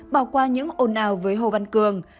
bỏ qua những ồn ào với hồ văn cường